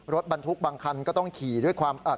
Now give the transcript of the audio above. รถบรรทุกบางคันก็ต้องขี่ด้วยความอ่า